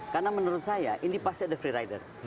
karena menurut saya ini pasti ada freerider